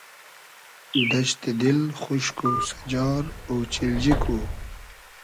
دئشتی دیل خوشک و سئجار اۉچیلجی کو